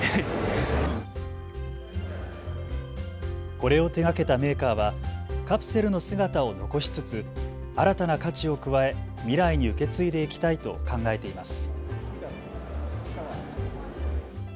これを手がけたメーカーはカプセルの姿を残しつつ新たな価値を加え未来に受け継いでいきたいと考えています。